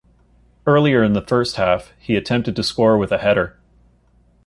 Earlier in the first half he attempted to score with a header.